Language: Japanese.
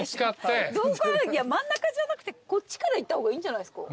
真ん中じゃなくてこっちから行った方がいいんじゃないですか？